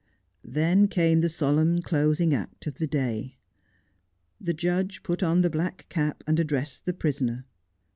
Then came the solemn closing act of the day. The judge put on the black cap and addressed the prisoner.